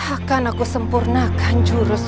akan aku sempurnakan jurus